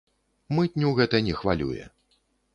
Мытню гэта не хвалюе.